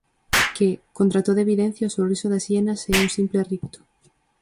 Que, contra toda evidencia, o sorriso das hienas é un simple ricto;